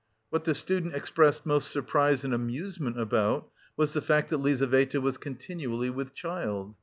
What the student expressed most surprise and amusement about was the fact that Lizaveta was continually with child.